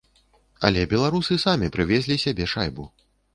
Але беларусы самі прывезлі сабе шайбу.